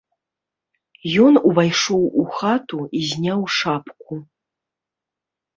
Ён увайшоў у хату і зняў шапку.